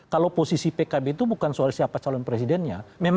kalau posisi pkb itu bukan soal siapa calon presidennya